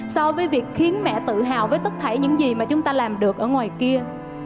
so với việc khiến mẹ tự hào với tất cả những gì mà chúng ta làm được ở ngoài kia